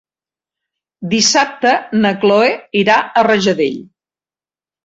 Dissabte na Cloè irà a Rajadell.